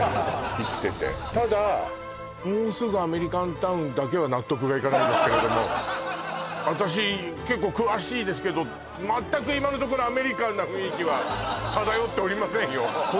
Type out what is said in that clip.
生きててただもうすぐアメリカンタウンだけは私結構詳しいですけど全く今のところアメリカンな雰囲気は漂っておりませんよ